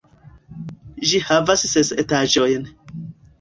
Ĝi havas ses etaĝojn.